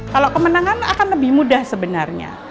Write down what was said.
kalau kemenangan akan lebih mudah sebenarnya